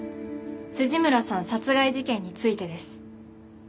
村さん殺害事件についてです。